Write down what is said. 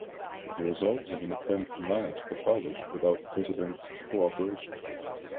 The result was an attempt to manage the college without the president's co-operation.